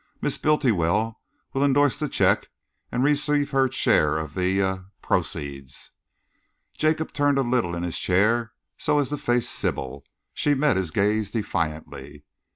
"Miss Bultiwell will endorse the cheque and receive her share of the er proceeds." Jacob turned a little in his chair, so as to face Sybil. She met his gaze defiantly.